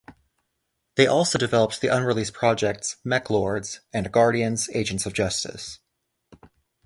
They also developed the unreleased projects Mech Lords and Guardians: Agents of Justice.